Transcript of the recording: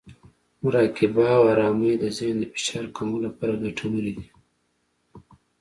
مراقبه او ارامۍ د ذهن د فشار کمولو لپاره ګټورې دي.